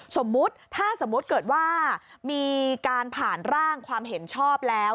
สมมุติถ้าสมมุติเกิดว่ามีการผ่านร่างความเห็นชอบแล้ว